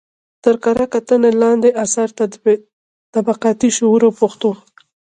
تر کره کتنې لاندې اثر: طبقاتي شعور او پښتو